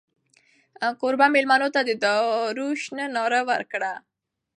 کوربه مېلمنو ته د دارو شه ناره وکړه.